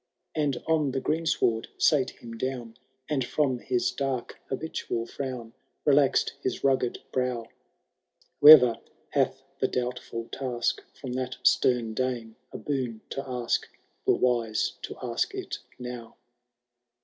And on the greensward sate him down. And from his dark habitual frown Belaz'd his rugged brow » Whoever hath the doubtful task From that stem Dane a boon to ask. Were wise to ask it now.